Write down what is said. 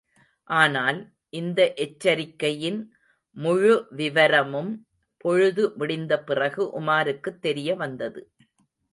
ஆனால், இந்த எச்சரிக்கையின் முழுவிவரமும் பொழுது விடிந்த பிறகு உமாருக்குத் தெரியவந்தது.